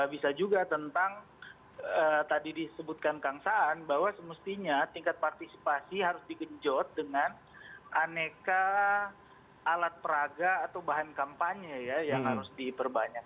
bisa juga tentang tadi disebutkan kang saan bahwa semestinya tingkat partisipasi harus digenjot dengan aneka alat peraga atau bahan kampanye ya yang harus diperbanyak